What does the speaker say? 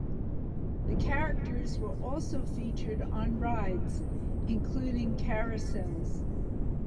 The characters were also featured on rides, including carousels.